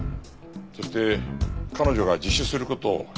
そして彼女が自首する事を知っていた。